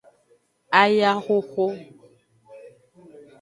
Ayahoho.